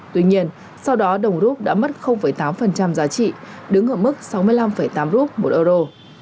tuy nhiên sau đó đồng rút đã mất tám giá trị đứng ở mức sáu mươi năm tám rup một euro